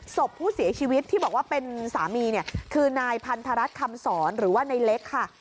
ศพผู้เสียชีวิตที่บอกว่าเป็นสามีเนี่ยคือนายพันธรัฐคำสอนหรือว่าในเล็กค่ะ